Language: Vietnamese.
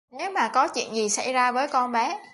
Nếu mà có chuyện gì xảy ra với con bé